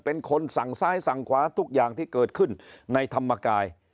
เป็นคนสั่งซ้ายสั่งขวาทุกอย่างที่เกิดขึ้นในธรรมกาย